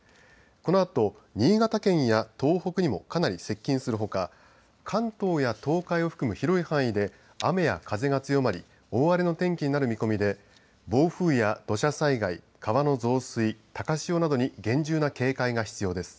このあと新潟県や東北にもかなり接近するほか関東や東海を含む広い範囲で雨や風が強まり大荒れの天気になる見込みで暴風や土砂災害、川の増水高潮などに厳重な警戒が必要です。